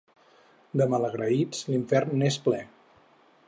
De malagraïts, l'infern n'és ple.